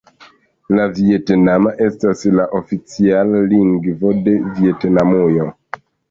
La vjetnama estas la oficiala lingvo de Vjetnamujo.